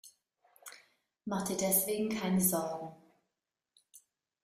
Mach dir deswegen keine Sorgen.